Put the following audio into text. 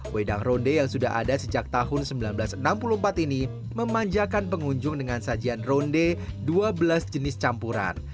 wedang ronde yang sudah ada sejak tahun seribu sembilan ratus enam puluh empat ini memanjakan pengunjung dengan sajian ronde dua belas jenis campuran